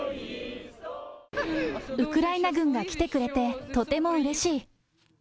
ウクライナ軍が来てくれて、とてもうれしい。